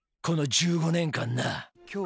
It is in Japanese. この１５年間な」